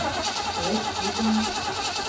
得其中